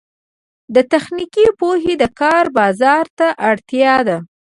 تخنیکي پوهه د کار بازار ته اړتیا ده